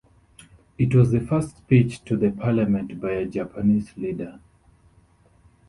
It was the first speech to the parliament by a Japanese leader.